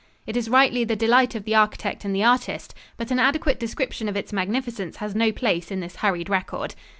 It is rightly the delight of the architect and the artist, but an adequate description of its magnificence has no place in this hurried record.